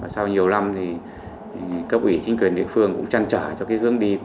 sau nhiều năm các quỹ chính quyền địa phương cũng trăn trở cho hướng đi